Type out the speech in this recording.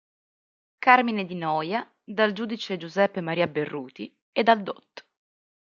Carmine Di Noia, dal Giudice Giuseppe Maria Berruti e dal dott.